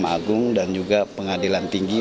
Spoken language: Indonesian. mahkamah agung dan juga pengadilan tinggi